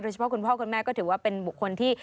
เฉพาะคุณพ่อคุณแม่ก็ถือว่าเป็นบุคคลที่